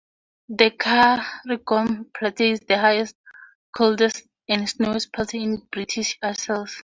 The Cairngorm Plateau is the highest, coldest and snowiest plateau in the British Isles.